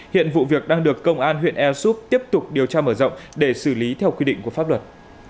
hiện vụ việc đang được công an huyện air soup tiếp tục điều tra mở rộng để xử lý theo khuy định của pháp luật